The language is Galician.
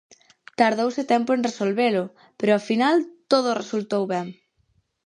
Tardouse tempo en resolvelo, pero ao final todo resultou ben;